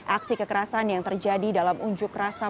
aksi kekerasan yang terjadi dalam unjuk rasa